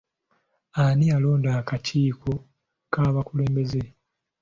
Ani yalonda akakiiko k'abakulembeze?